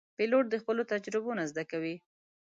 پیلوټ د خپلو تجربو نه زده کوي.